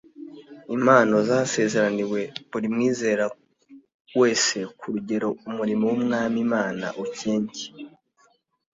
Impano zasezeraniwe buri mwizera wese ku rugero umurimo w'Umwami Imana ukencye.